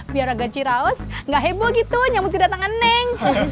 biar agak ciraos gak heboh gitu nyamuk kedatangan neneng